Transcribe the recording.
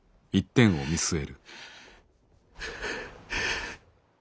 はあ。